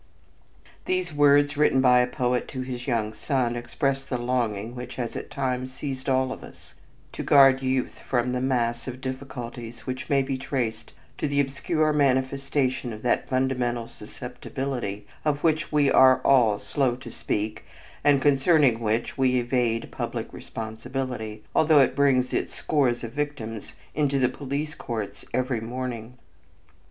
These words written by a poet to his young son express the longing which has at times seized all of us, to guard youth from the mass of difficulties which may be traced to the obscure manifestation of that fundamental susceptibility of which we are all slow to speak and concerning which we evade public responsibility, although it brings its scores of victims into the police courts every morning.